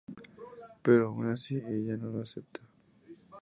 Pero aun así ella no lo acepta.